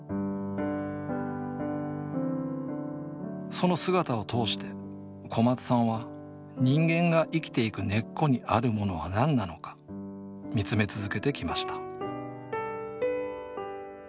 その姿を通して小松さんは人間が生きていく根っこにあるものは何なのかみつめ続けてきました